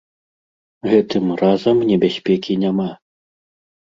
Гэтым разам небяспекі няма.